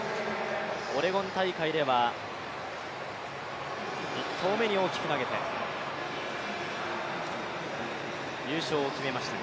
オレゴン大会では１投目に大きく投げて優勝を決めました。